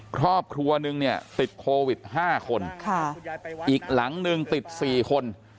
ครอบครัวนึงเนี่ยติดโควิด๕คนอีกหลังนึงติด๔คน